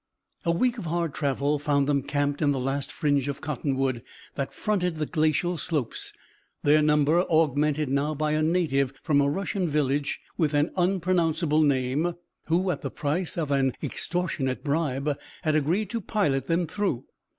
A week of hard travel found them camped in the last fringe of cottonwood that fronted the glacial slopes, their number augmented now by a native from a Russian village with an unpronounceable name, who, at the price of an extortionate bribe, had agreed to pilot them through.